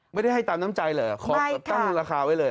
ไม่ได้ให้ตามน้ำใจเหรอขอแบบตั้งราคาไว้เลย